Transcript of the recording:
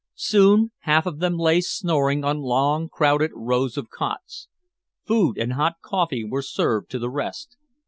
Soon half of them lay snoring on long crowded rows of cots. Food and hot coffee were served to the rest.